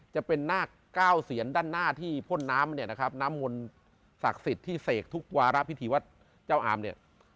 จะเป็นนาคเก้าเสียนด้านหน้าที่พ่นน้ำเนี่ยนะครับน้ำมนต์ศักดิ์สิทธิ์ที่เสกทุกวาระพิธีวัดเจ้าอามเนี่ย